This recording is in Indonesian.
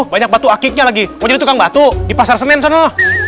banyak batu akiknya lagi mau jadi tukang batu di pasar senen sana